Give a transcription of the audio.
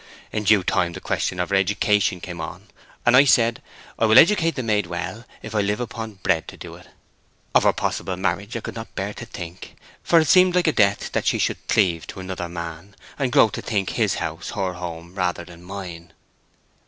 In due time the question of her education came on, and I said, 'I will educate the maid well, if I live upon bread to do it.' Of her possible marriage I could not bear to think, for it seemed like a death that she should cleave to another man, and grow to think his house her home rather than mine.